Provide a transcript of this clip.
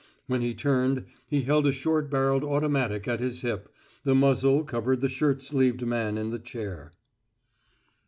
When he turned he held a short barreled automatic at his hip; the muzzle covered the shirt sleeved man in the chair.